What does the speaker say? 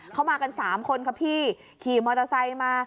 เขามากัน๓คนค่ะพี่ขี่มอเตอร์ไซค์มา